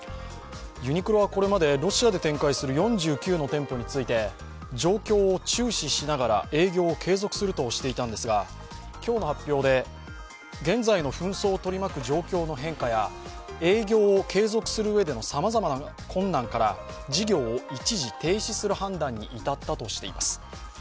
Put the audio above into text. ユニクロはこれまでロシアで展開する４９の店舗について状況を注視しながら営業を継続するとしていたんですが今日の発表で、現在の紛争を取り巻く状況の変化や営業を継続するうえでのさまざまな困難から事業を一時停止する判断に至ったとしています。